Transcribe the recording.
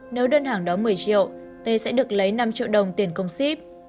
nếu đơn hàng đó một mươi triệu tê sẽ được lấy năm triệu đồng tiền công xip